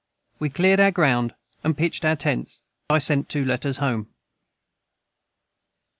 We cleard our ground and pitchd our tents I sent 2 letters home.